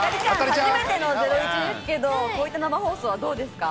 初めての『ゼロイチ』ですけど、こういった生放送はどうですか？